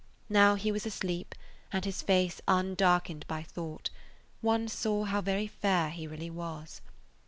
Now he was asleep and his face undarkened by thought, one saw how very fair he really was.